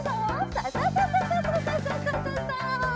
ササササササ。